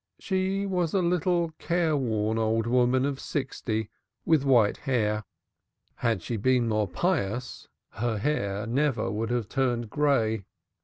She was a little careworn old woman of sixty with white hair. Had she been more pious her hair would never have turned gray.